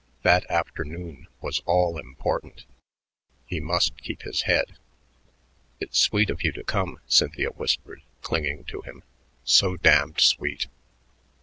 That afternoon was all important; he must keep his head. "It's sweet of you to come," Cynthia whispered, clinging to him, "so damned sweet."